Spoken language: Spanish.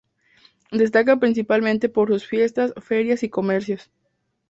Destaca principalmente por sus fiestas, ferias y comercios.